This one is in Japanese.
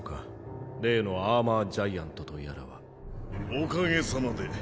おかげさまで。